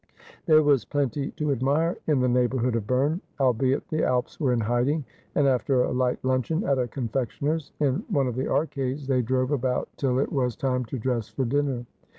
There was plenty to admire in the neighbourhood of Berne, albeit the Alps were in hiding, and after a light luncheon at a confectioner's in one of the arcades, they drove about till it was time to dress for dinner.